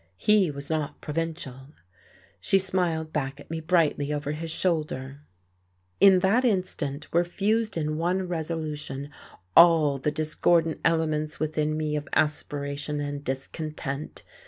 He was not provincial. She smiled back at me brightly over his shoulder.... In that instant were fused in one resolution all the discordant elements within me of aspiration and discontent.